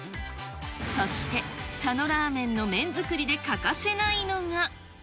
そして、佐野らーめんの麺作りで欠かせないのが。